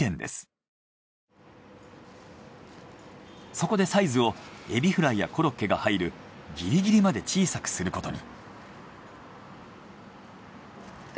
そこでサイズをエビフライやコロッケが入るギリギリまで小さくすることに。